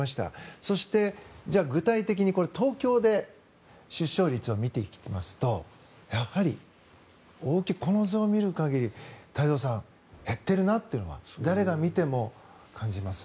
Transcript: そして、具体的に東京で出生率を見ていきますとやはり、この図を見る限り太蔵さん減っているなというのは誰が見ても感じます。